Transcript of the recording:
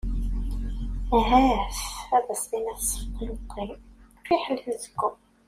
Ahat! ad as-tini sfeḍ imeṭṭi-m fiḥel anezgum.